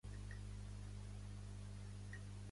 Jo visc al carrer Enric Granados